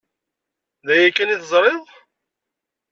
D aya kan i teẓriḍ?